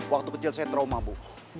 waktu kecil saya trauma bu